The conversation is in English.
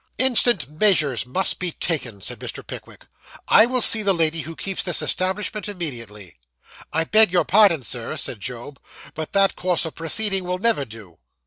'Instant measures must be taken,' said Mr. Pickwick. 'I will see the lady who keeps the establishment immediately.' 'I beg your pardon, Sir,' said Job, 'but that course of proceeding will never do.